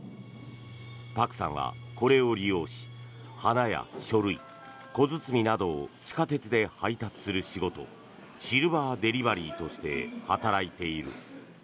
パクさんは、これを利用し花や書類、小包などを地下鉄で配達する仕事シルバー・デリバリーとして働いている。